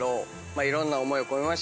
いろんな思いを込めまして。